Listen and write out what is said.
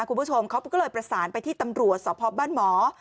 คุณผู้ชมเขาก็เลยประสานไปที่ตำรวจสพบ้านหมอ